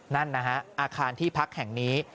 นั่นนะฮะอาคารที่พักแห่งนี้